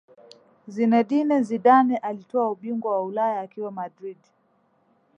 Zinedine Zidane alitwaa ubingwa wa Ulaya akiwa Madrid